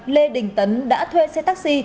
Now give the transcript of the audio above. lê đình tấn đã thuê xe taxi